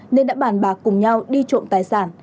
nên đã bàn bạc cùng nhau đi trộm tài sản